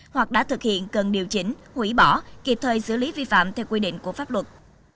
hoặc đã thực hiện cần điều chỉnh hủy bỏ kịp thời xử lý vi phạm theo quy định của pháp luật